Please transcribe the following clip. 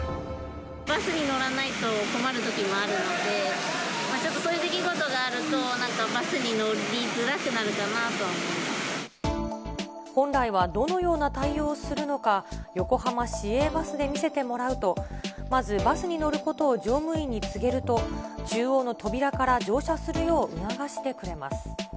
バスに乗らないと困るときもあるので、ちょっとそういう出来事があると、なんかバスに乗りづらくなるかな本来はどのような対応をするのか、横浜市営バスで見せてもらうと、まず、バスに乗ることを乗務員に告げると、中央の扉から乗車するよう促してくれます。